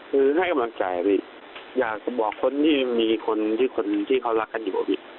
คือให้กำลังใจอยากบอกคนที่มีคนที่เขารักกันอยู่